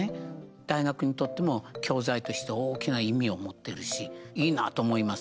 大学にとっても教材として大きな意味を持ってるしいいなって思います。